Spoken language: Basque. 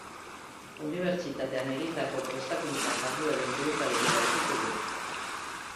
Unibertsitatean egindako prestakuntza-jardueren ziurtagiria aurkitu du.